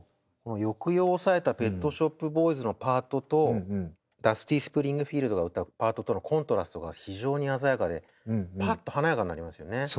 抑揚を抑えたペット・ショップ・ボーイズのパートとダスティ・スプリングフィールドが歌うパートとのコントラストが非常に鮮やかでパッと華やかになりますよね。